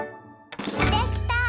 できた！